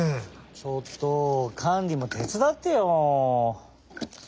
ちょっとカンリもてつだってよ！